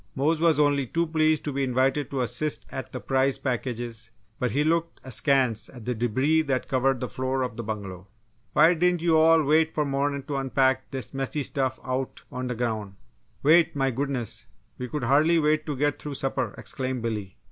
Mose was only too pleased to be invited to assist at the prize packages but he looked askance at the debris that covered the floor of the bungalow. "Why diden' yo' all wait f' mornin' to unpack dis mussy stuff out on d' groun'?" "Wait! My goodness, we could hardly wait to get through supper!" exclaimed Billy.